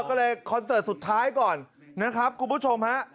ก็เลยคอนเสิร์ตสุดท้ายก่อนนะครับคุณผู้ชมฮะ